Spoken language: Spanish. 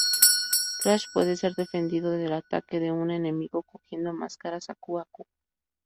Crash puede ser defendido del ataque de un enemigo cogiendo máscaras Aku Aku.